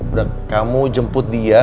udah kamu jemput dia